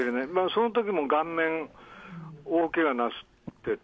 そのときも顔面大けがなすってて。